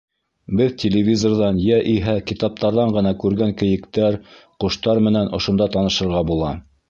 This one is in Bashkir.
Беҙ телевизорҙан йә иһә китаптарҙан ғына күргән кейектәр, ҡоштар менән ошонда танышырға була.